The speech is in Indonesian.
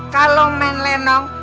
kalau main lenong